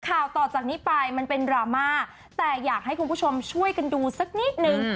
ข่าวต่อจากนี้ไปมันเป็นดราม่าแต่อยากให้คุณผู้ชมช่วยกันดูสักนิดนึง